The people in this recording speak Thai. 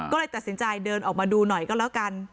ก็เลยตัดสินใจเดินออกมาดูหน่อยก็แล้วกัน